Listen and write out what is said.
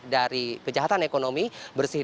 dari kejahatan ekonomi bersih